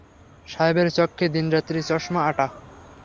সাহেবের চক্ষে দিনরাত্রি চশমা আঁটা।